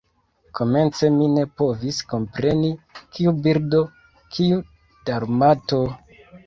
Komence mi ne povis kompreni, kiu birdo, kiu Dalmato?